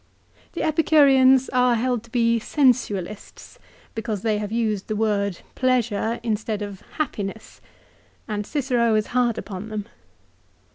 The Epicureans are held to be sensualists, because they have used the word " pleasure " instead of "happiness," and Cicero is hard upon them.